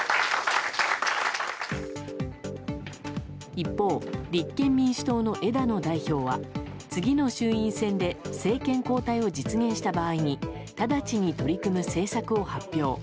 一方、立憲民主党の枝野代表は次の衆院選で政権交代を実現した場合に直ちに取り組む政策を発表。